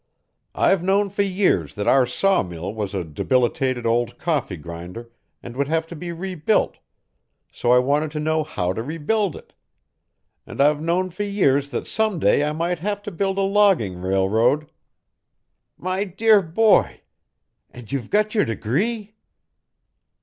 "I've known for years that our sawmill was a debilitated old coffee grinder and would have to be rebuilt, so I wanted to know how to rebuild it. And I've known for years that some day I might have to build a logging railroad " "My dear boy! And you've got your degree?"